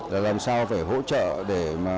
là làm sao phải hỗ trợ để